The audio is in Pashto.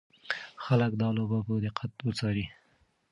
خلک باید دا لوبه په دقت وڅاري.